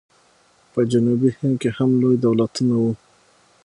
په جنوبي هند کې هم لوی دولتونه وو.